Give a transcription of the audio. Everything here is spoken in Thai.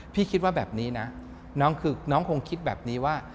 พี่คิดว่าแบบนี้นะน้องคงคิดแบบนี้ว่า